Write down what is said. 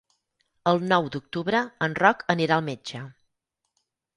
El nou d'octubre en Roc anirà al metge.